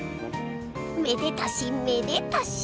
めでたしめでたし！